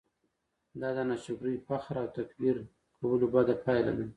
دا د ناشکرۍ، فخر او تکبير کولو بده پايله ده!